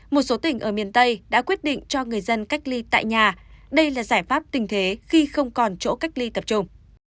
một số tỉnh ở miền tây đã quyết định cho người dân cách ly tại nhà đây là giải pháp tình thế khi không còn chỗ cách ly tập trung